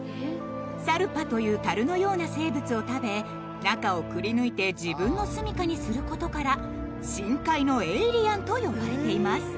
サルパというタルのような生物を食べ中をくり抜いて自分の住みかにすることから「深海のエイリアン」と呼ばれていますえ！